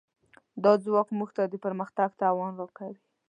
دا ځواک موږ ته د پرمختګ توان راکوي.